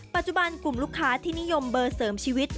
ปัจจุบันกลุ่มลูกค้าที่นิยมเบอร์เสริมชีวิต